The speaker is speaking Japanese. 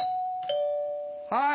はい。